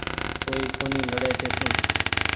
ڪوئي ڪونيٚ لهڙي تيسون